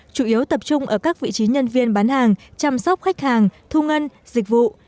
chủ yếu tập trung ở các vị trí nhân viên bán hàng chăm sóc khách hàng thu ngân dịch vụ